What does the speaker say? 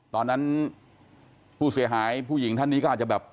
ตอนนั้นผู้เสียหายผู้หญิงท่านนี้ก็อาจจะแบบ